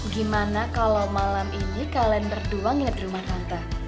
gimana kalo malam ini kalian berdua nginep di rumah tante